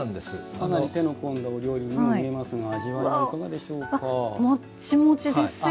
かなり手の込んだお料理に見えますけどもっちもちですよ。